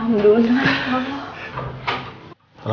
alhamdulillah ya allah